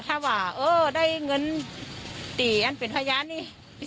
ถ้าว่าเออได้เงิน๔อันเป็นพยานนี่